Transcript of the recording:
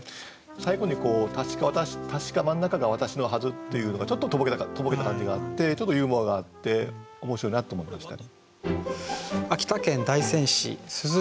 最後に「たしか真ん中が私のはず」というのがちょっととぼけた感じがあってちょっとユーモアがあって面白いなって思いました。